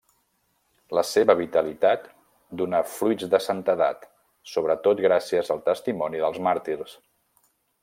La seva vitalitat donà fruits de santedat, sobretot gràcies al testimoni dels màrtirs.